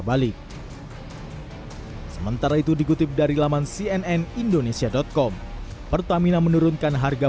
balik sementara itu dikutip dari laman cnnindonesia com pertamina menurunkan harga